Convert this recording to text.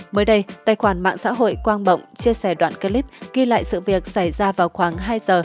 mới đây tài khoản mạng xã hội quang bọng chia sẻ đoạn clip ghi lại sự việc xảy ra vào khoảng hai giờ